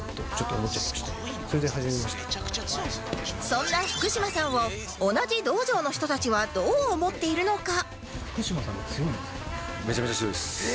そんな福島さんを同じ道場の人たちはどう思っているのか？